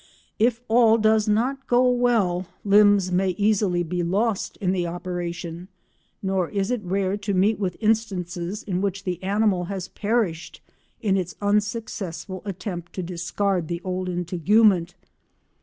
If all does not go well limbs may easily be lost in the operation, nor is it rare to meet with instances in which the animal has perished in its unsuccessful attempt to discard the old integument.